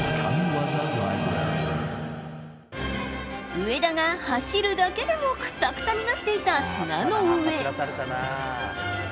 上田が走るだけでもくたくたになっていた砂の上。